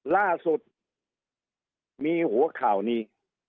ล่าสุดมีหัวข่าวนี้